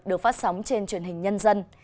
được phát sóng trên truyền hình nhân dân